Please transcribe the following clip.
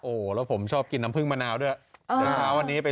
โอ้แล้วผมชอบกินน้ำผึ้งมะนาวด้วย